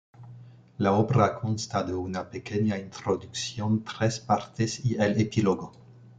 La obra consta de una pequeña introducción, tres partes y el epílogo.